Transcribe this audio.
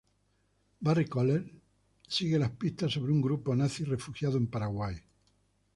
Barry Kohler sigue las pistas sobre un grupo nazi refugiados en Paraguay.